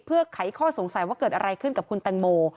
เพื่อไขข้อสงสัยว่าเกิดอะไรขึ้นกับคุณแตงโม